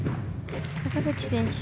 坂口選手